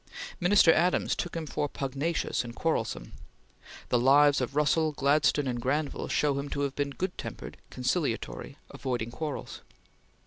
Minister Adams took him for pugnacious and quarrelsome; the "Lives" of Russell, Gladstone, and Granville show him to have been good tempered, conciliatory, avoiding quarrels.